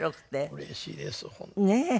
うれしいです本当に。